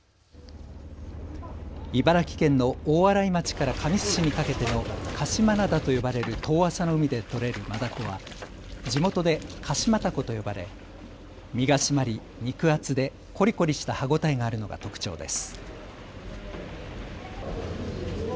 茨城県の大洗町から神栖市にかけての鹿島灘と呼ばれる遠浅の海で取れるマダコは地元で鹿島たこと呼ばれ身が締まり肉厚でコリコリした歯応えがあるのが特徴です。